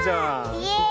イエーイ！